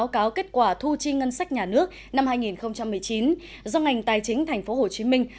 hội nghị báo cáo kết quả thu chi ngân sách nhà nước năm hai nghìn một mươi chín do ngành tài chính thành phố hồ chí minh